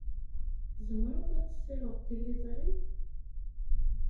Tzemreḍ ad tessiɣeḍ tiliẓri?